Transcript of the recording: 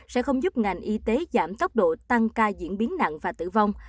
sẽ không giúp ngành y tế giảm tốc độ tăng ca diễn biến nặng và tử vong